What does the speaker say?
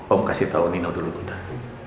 om kasih tau nino dulu bentar